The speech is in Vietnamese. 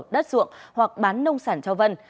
đất ruộng hoặc bán nông sản cho vân